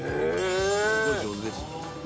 すっごい上手ですよ。